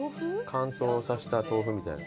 乾燥させた豆腐みたいな。